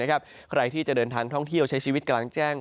ใครที่จะเดินทางท่องเที่ยวใช้ชีวิตกลางแจ้ง